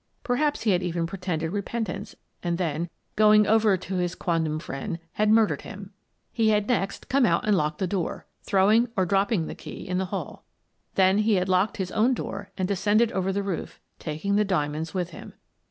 Perhaps he had even pretended repent ance and then, going over to his quondam friend, had murdered him. He had next come out and locked the door, throwing or dropping the key in the hall. Then he had locked his own door and descended over the roof, taking the diamonds with him.